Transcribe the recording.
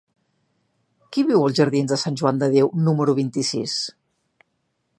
Qui viu als jardins de Sant Joan de Déu número vint-i-sis?